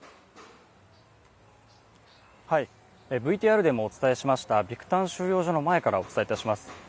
ＶＴＲでもお伝えしました、ビクタン収容所前からお伝えします。